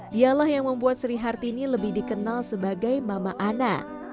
dialah yang membuat sri hartini lebih dikenal sebagai mama ana